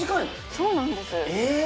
そうなんですえ